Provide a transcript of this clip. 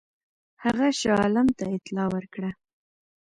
هغه شاه عالم ته اطلاع ورکړه.